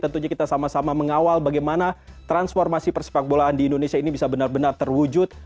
tentunya kita sama sama mengawal bagaimana transformasi persepak bolaan di indonesia ini bisa benar benar terwujud